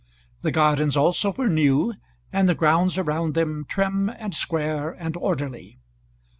The gardens also were new, and the grounds around them trim, and square, and orderly.